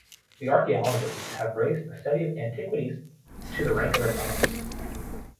The archaeologists have raised the study of antiquities to the rank of a science.